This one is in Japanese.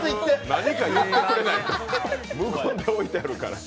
何か言ってくれないと無言で置いてあるから。